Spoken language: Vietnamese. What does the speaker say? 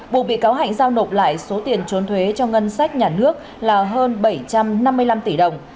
bộ bị cáo hạnh giao nộp lại số tiền trốn thuế cho ngân sách nhà nước là hơn bảy trăm năm mươi năm tỷ đồng